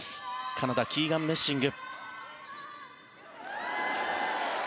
カナダ、キーガン・メッシング。